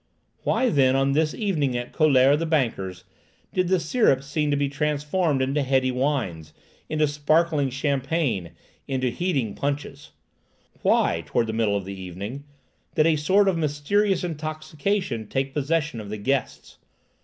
Why, then, on this evening at Collaert the banker's, did the syrups seem to be transformed into heady wines, into sparkling champagne, into heating punches? Why, towards the middle of the evening, did a sort of mysterious intoxication take possession of the guests?